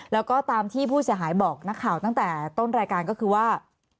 แล้วก็ตามที่ผู้เสียหายบอกนักข่าวตั้งแต่ต้นรายการก็คือว่า